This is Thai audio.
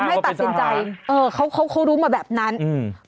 ให้ตัดสินใจเออเขาเขารู้มาแบบนั้นอืม